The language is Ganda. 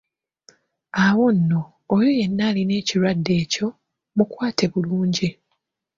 Awo nno, oyo yenna alina ekirwadde ekyo, mukwate bulungi.